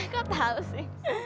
kau tau sih